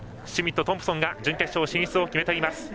シュミット、トンプソンが準決勝進出を決めています。